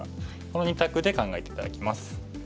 この２択で考えて頂きます。